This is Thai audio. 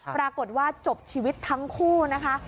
ปรากฏว่าจบชีวิตทั้งคู่นะคะ